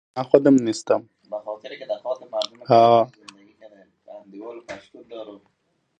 لکه نه چي وي روان داسي پر لار ځي